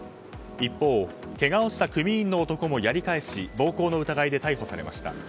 一方、けがをした組員の男もやり返し暴行の疑いで逮捕されました。